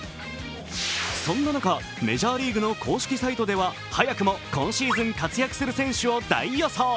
そんな中、メジャーリーグの公式サイトでは早くも今シーズン活躍する選手を大予想。